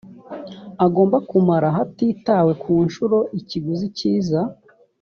agomba kumara hatitawe ku nshuro ikiguzi kiza